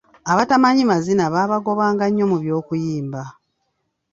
Abatamanyi mazina baabagobanga nnyo mu by’okuyimba.